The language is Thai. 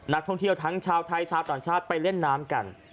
นักท่องเที่ยวทั้งชาวไทยชาวต่างชาติไปเล่นน้ำกัน